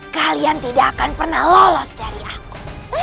kalian tidak akan pernah lolos dari aku